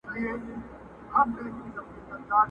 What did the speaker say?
ستړې سوې مو درګاه ته یم راغلې!!